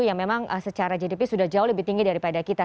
yang memang secara gdp sudah jauh lebih tinggi daripada kita